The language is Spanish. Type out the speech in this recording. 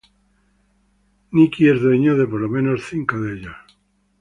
Nikki es dueño de por lo menos cinco de ellos.